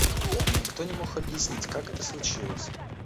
И никто не мог объяснить, как это случилось.